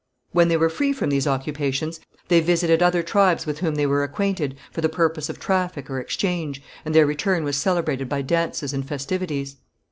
When they were free from these occupations, they visited other tribes with whom they were acquainted for the purpose of traffic or exchange, and their return was celebrated by dances and festivities.